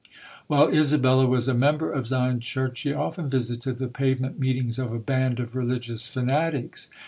While Isabella was a member of Zion Church she often visited the pavement meetings of a band of religious fanatics.